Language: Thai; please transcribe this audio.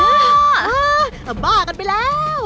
อ้าบ้ากันไปแล้ว